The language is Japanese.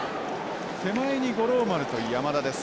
手前に五郎丸と山田です。